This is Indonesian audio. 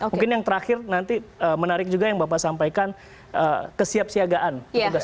mungkin yang terakhir nanti menarik juga yang bapak sampaikan kesiapsiagaan